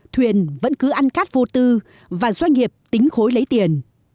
thuyền vẫn cứ ăn cát vô tư và doanh nghiệp tính khối lấy tiền